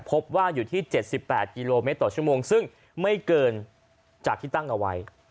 พบว่าอยู่ที่๗๘กิโลเมตรต่อชั่วโมงซึ่งไม่เกินจากที่ตั้งเอาไว้